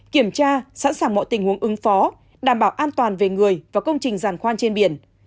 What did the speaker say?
kiểm tra sẵn sàng mọi tình huống ứng phó đảm bảo an toàn về người và công trình giàn khoan trên biển